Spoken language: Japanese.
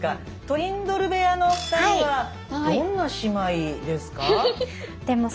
トリンドル部屋のお二人はどんな姉妹ですか？